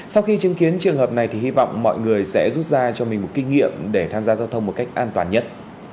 sau khi chứng kiến trường hợp này thì hy vọng mọi người sẽ rút ra cho mình một kinh nghiệm để tham gia giao thông một cách an toàn nhất